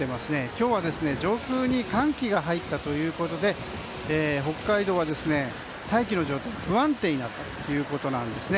今日は上空に寒気が入ったということで北海道は、大気の状態が不安定になったということです。